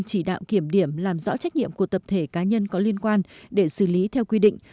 chỉ đạo kiểm điểm làm rõ trách nhiệm của tập thể cá nhân có liên quan để xử lý theo quy định